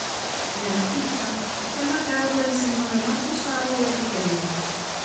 En el registro, está marcado cuál es el nombre más usado o preferido.